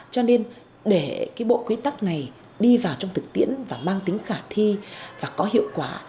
cho nên để cái bộ quy tắc này đi vào trong thực tiễn và mang tính khả thi và có hiệu quả